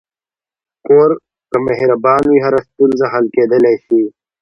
کور که مهربان وي، هره ستونزه حل کېدلی شي.